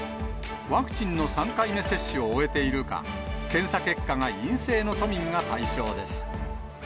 ワクチンの３回目接種を終えているか、検査結果が陰性の都民が対象です。